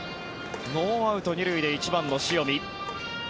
ノーアウト２塁で１番の塩見。